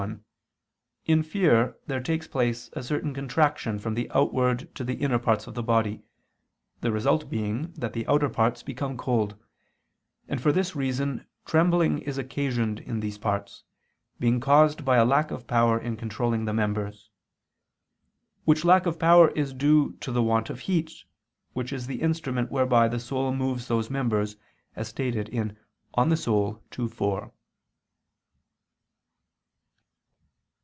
1), in fear there takes place a certain contraction from the outward to the inner parts of the body, the result being that the outer parts become cold; and for this reason trembling is occasioned in these parts, being caused by a lack of power in controlling the members: which lack of power is due to the want of heat, which is the instrument whereby the soul moves those members, as stated in De Anima ii, 4.